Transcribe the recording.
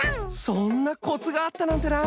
そんなコツがあったなんてな。